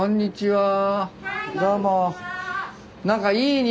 はい。